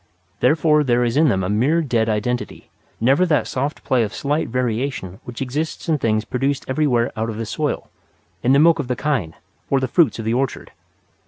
Therefore there is in them a mere dead identity, never that soft play of slight variation which exists in things produced everywhere out of the soil, in the milk of the kine, or the fruits of the orchard.